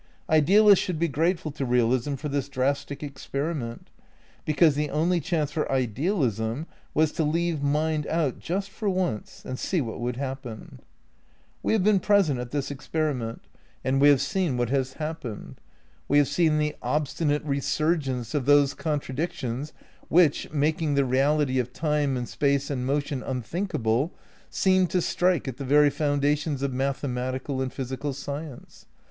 Ideal ists should be grateful to realism for this drastic ex periment ; because the only chance for idealism was to leave mind out just for once and see what would hap pen. We have been present at this experiment and we 'See above: "Space, Time and Deity," pp. 162 213. 222 THE NEW IDEALISM vi have seen what has happened. We have seen the ob stinate resurgence of those contradictions which, mak ing the reality of time and space and motion unthink able, seemed to strike at the very foundations of mathe matical and physical science.